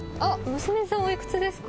娘さんお幾つですか？